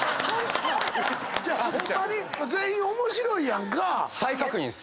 ホンマに全員面白いやんか。